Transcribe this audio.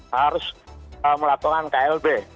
harus melakukan klb